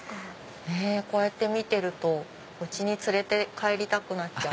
こうやって見てると家に連れて帰りたくなっちゃう。